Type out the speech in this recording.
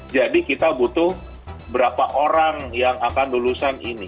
jadi kita butuh berapa orang yang akan lulusan ini